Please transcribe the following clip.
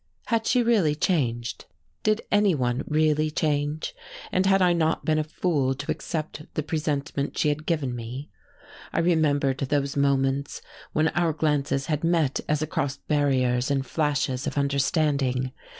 Had she really changed? did anyone really change? and had I not been a fool to accept the presentment she had given me? I remembered those moments when our glances had met as across barriers in flashes of understanding.